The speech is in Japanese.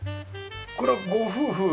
これはご夫婦？